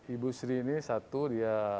ibu sri ini satu dia